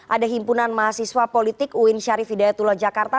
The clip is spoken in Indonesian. ada himpunan mahasiswa politik uin syarif hidayatullah jakarta